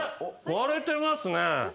割れてますね。